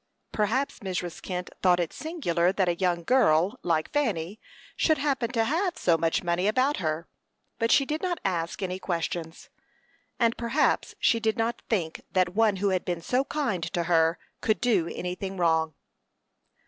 Perhaps Mrs. Kent thought it singular that a young girl, like Fanny, should happen to have so much money about her, but she did not ask any questions; and perhaps she did not think that one who had been so kind to her could do anything wrong.